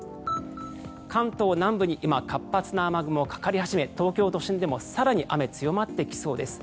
関東南部に今活発な雨雲がかかり始め東京都心でも更に雨が強まってきそうです。